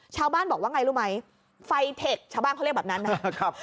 ชาวบ้านบอกว่าไงรู้ไหมไฟเทคชาวบ้านเขาเรียกแบบนั้นนะครับ